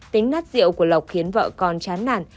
tính nát rượu của lộc khiến vợ con chán nản